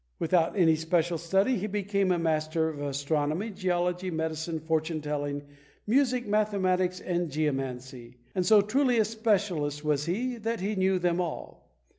Without any special study he became a master of astronomy, geology, medicine, fortune telling, music, mathematics and geomancy, and so truly a specialist was he that he knew them all.